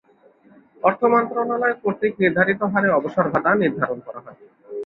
অর্থ মন্ত্রণালয় কর্তৃক নির্ধারিত হারে অবসরভাতা নির্ধারণ করা হয়।